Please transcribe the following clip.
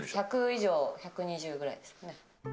１００以上、１２０ぐらいです。